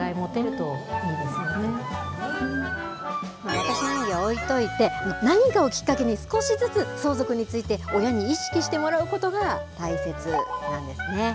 私の演技は置いといて、何かをきっかけに少しずつ相続について、親に意識してもらうことが大切なんですね。